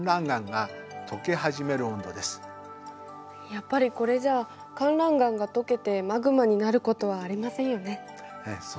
やっぱりこれじゃあかんらん岩がとけてマグマになることはありませんよね。